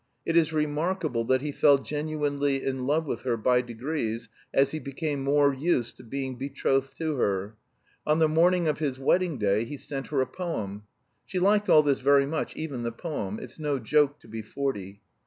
It is remarkable that he fell genuinely in love with her by degrees as he became more used to being betrothed to her. On the morning of his wedding day he sent her a poem. She liked all this very much, even the poem; it's no joke to be forty.